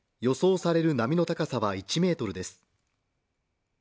予想される波の高さは１ｍです。